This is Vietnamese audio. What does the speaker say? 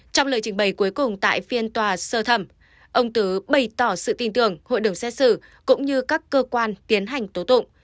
trong lời trình bày cuối cùng tại phiên tòa sơ thẩm ông tứ bày tỏ sự tin tưởng hội đồng xét xử cũng như các cơ quan tiến hành tố tụng